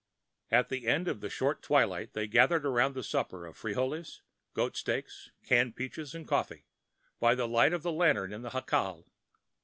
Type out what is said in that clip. At the end of the short twilight they gathered around a supper of frijoles, goat steaks, canned peaches, and coffee, by the light of a lantern in the jacal.